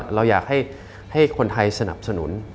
เราอยากให้คนไทยสนับสนุน